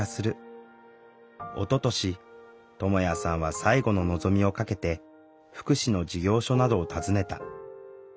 おととしともやさんは最後の望みをかけて福祉の事業所などを訪ねた。